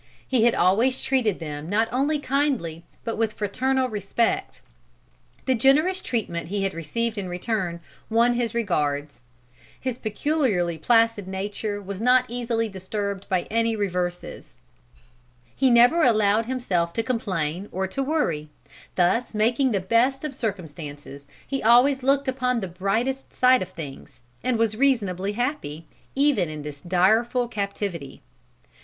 He had always treated them not only kindly, but with fraternal respect. The generous treatment he had received in return won his regards. His peculiarly placid nature was not easily disturbed by any reverses. Let what would happen, he never allowed himself to complain or to worry. Thus making the best of circumstances, he always looked upon the brightest side of things, and was reasonably happy, even in this direful captivity.